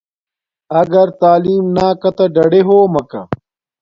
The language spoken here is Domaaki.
اگر تعلیم ناکاتا ڈاڈے ہومکہ